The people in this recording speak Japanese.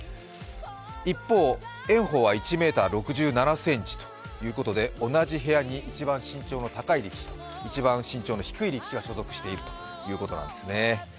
一方、炎鵬は１ｍ６７ｃｍということで同じ部屋に一番身長の高い力士と一番身長の低い力士が所属しているということですね。